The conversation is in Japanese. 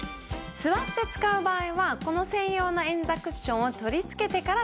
座って使う場合はこの専用の円座クッションを取り付けてから座ります。